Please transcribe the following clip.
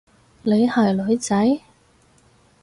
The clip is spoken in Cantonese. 你係女仔？